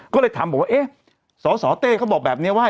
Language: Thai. ก็เลยถามบอกว่าเอ๊ะสสเต้เขาบอกแบบนี้ว่า